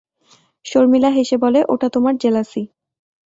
শর্মিলা হেসে বলে, ওটা তোমার জেলাসি।